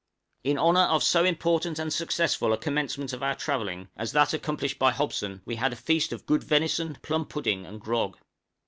In honor of so important and successful a commencement of our travelling, as that accomplished by Hobson, we had a feast of good venison, plum pudding, and grog.